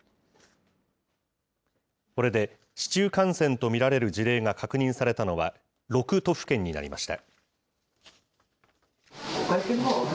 これで市中感染と見られる事例が確認されたのは６都府県になりました。